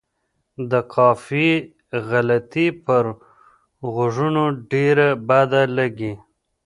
د قافیې غلطي پر غوږونو ډېره بده لګي.